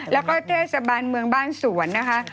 แล้วก็เทศบาลเมืองบ้านสวนนะคะ